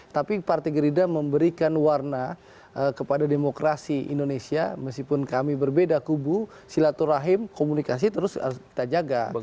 tapi partai gerindra memberikan warna kepada demokrasi indonesia meskipun kami berbeda kubu silaturahim komunikasi terus harus kita jaga